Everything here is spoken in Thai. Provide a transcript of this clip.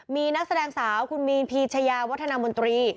มีนักแสดงสาวคุณมีนพีชยาวัฒนามนตรี